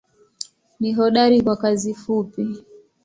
Ni hodari kwa kazi fupi.